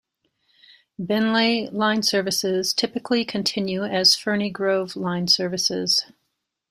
Beenleigh line services typically continue as Ferny Grove line services.